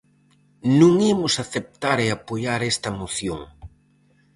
Non imos aceptar e apoiar esta moción.